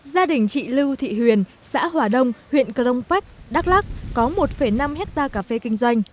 gia đình chị lưu thị huyền xã hòa đông huyện cờ đông bách đắk lắc có một năm hectare cà phê kinh doanh